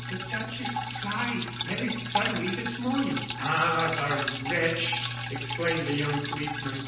The duchess died very suddenly this morning." "Ah! the wretch!" exclaimed the young policeman.